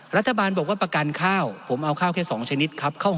รัฐบาลบอกว่าประกันข้าวผมเอาข้าวแค่๒ชนิดครับ